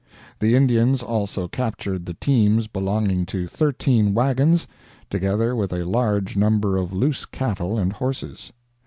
The Indians also captured the teams belonging to thirteen wagons, together with a large number of loose cattle and horses.